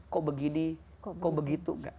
kok begini kok begitu